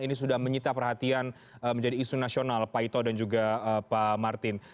ini sudah menyita perhatian menjadi isu nasional pak ito dan juga pak martin